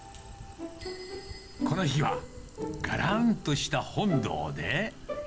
この日はがらんとした本堂で。